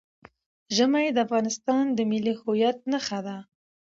ژمی د افغانستان د ملي هویت نښه ده.